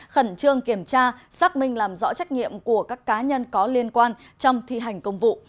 khẩn trương kiểm tra xác minh làm rõ trách nhiệm của các cá nhân có liên quan trong thi hành công vụ